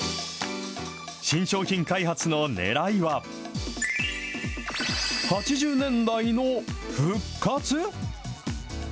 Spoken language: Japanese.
新商品開発のねらいは、８０年代の復活？